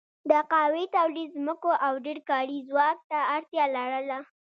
د قهوې تولید ځمکو او ډېر کاري ځواک ته اړتیا لرله.